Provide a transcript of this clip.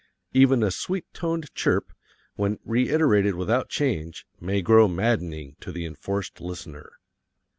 Even a sweet toned chirp, when reiterated without change, may grow maddening to the enforced listener.